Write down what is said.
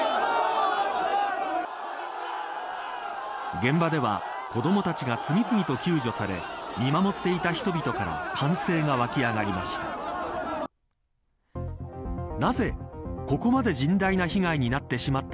現場では子どもたちが次々と救助され見守っていた人々から歓声が沸き上がりました。